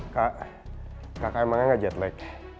kak kakak emangnya gak jet lag